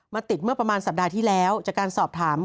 ติดเมื่อประมาณสัปดาห์ที่แล้วจากการสอบถาม